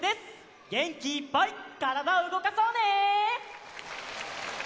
げんきいっぱいからだをうごかそうね！